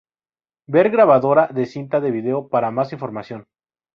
Ver Grabadora de cinta de video para más información.